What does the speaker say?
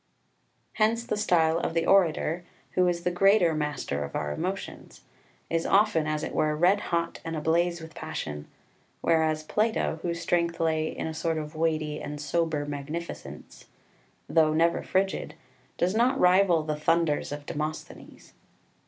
3 Hence the style of the orator, who is the greater master of our emotions, is often, as it were, red hot and ablaze with passion, whereas Plato, whose strength lay in a sort of weighty and sober magnificence, though never frigid, does not rival the thunders of Demosthenes.